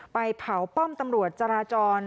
ไปเผาป้อมตำรวจจราจร